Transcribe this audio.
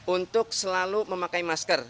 untuk selalu memakai masker